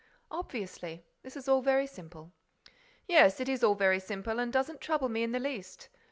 "Obviously. This is all very simple." "Yes, it is all very simple and doesn't trouble me in the least.